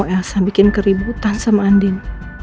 karena gak mau elsa bikin keributan sama andin